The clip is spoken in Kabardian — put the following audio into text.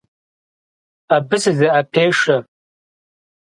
Абы сызэӏэпешэ.